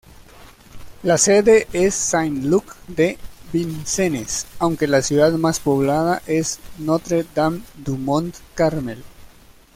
La sede es Saint-Luc-de-Vincennes aunque la ciudad más poblada es Notre-Dame-du-Mont-Carmel.